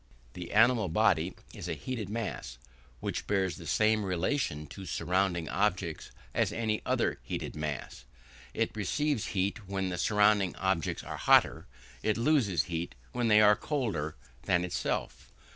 The animal body is a heated mass, which bears the same relation to surrounding objects as any other heated mass. It receives heat when the surrounding objects are hotter, it loses heat when they are colder, than itself.